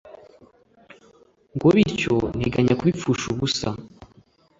ngo bityo nteganya kubipfusha ubusa